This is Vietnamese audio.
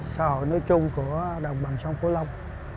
xã hội nối chung của đồng bằng sông cổ long